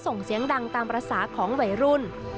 ส่งเสียงดังตามประสาทของไวรุ่น